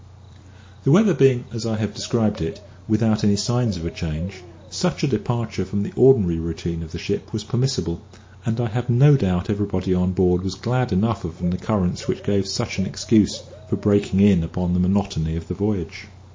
The weather being as I have described it, without any signs of a change, such a departure from the ordinary routine of the ship was permissible, and I have no doubt everybody on board was glad enough of an occurrence which gave such an excuse for breaking in upon the monotony of the voyage.